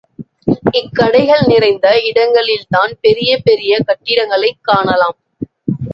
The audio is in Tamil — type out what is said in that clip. இக்கடைகள் நிறைந்த இடங்களில்தான் பெரிய பெரிய கட்டடங்களைக் காணலாம்.